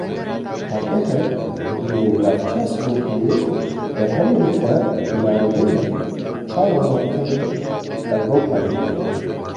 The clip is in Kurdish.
Kargehek li navçeya Silopiyê berhemên xwe hinardeyî çar welatên Ewropayê dike.